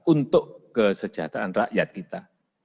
untuk kesejahteraan rakyat kita